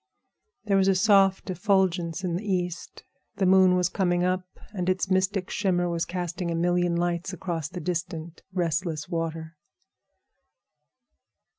There was a soft effulgence in the east. The moon was coming up, and its mystic shimmer was casting a million lights across the distant, restless water.